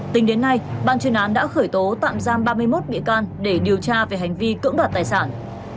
tính đến nay ban chuyên án đã khởi tố tạm giam ba mươi một bị can để điều tra về hành vi cưỡng đoạt tài sản